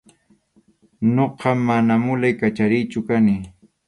Ñuqa mana mulay kachariqchu kani.